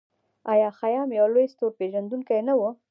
آیا خیام یو لوی ستورپیژندونکی نه و؟